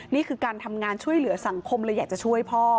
นี่คือการทำงานช่วยเหลือสังคมเลยอยากจะช่วยพ่อ